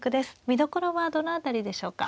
見どころはどの辺りでしょうか。